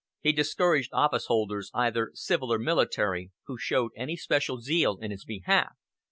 He discouraged officeholders, either civil or military, who showed any special zeal in his behalf.